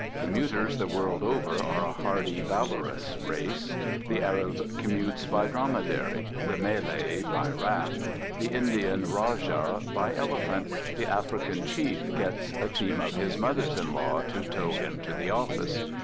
Commuters the world over are a hardy, valorous race. The Arab commutes by dromedary, the Malay by raft, the Indian rajah by elephant, the African chief gets a team of his mothers in law to tow him to the office.